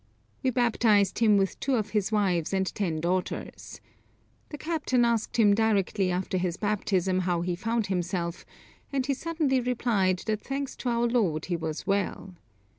We baptized him with two of his wives and ten daughters. The captain asked him directly after his baptism how he found himself, and he suddenly replied that thanks to our Lord he was well.